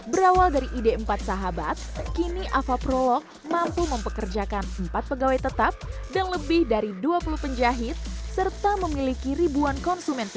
berawal dari ide empat sahabat kini ava prolog mampu mempekerjakan empat pegawai tetap dan lebih dari dua puluh penjahit serta memiliki ribuan konsumen